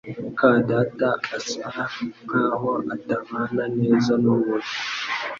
muka data asa nkaho atabana neza numuntu